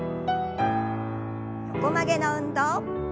横曲げの運動。